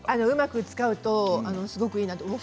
うまく使うとすごくいいなと。